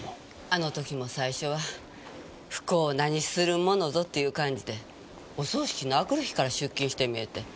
あの時も最初は「不幸何するものぞ」という感じでお葬式のあくる日から出勤してみえて。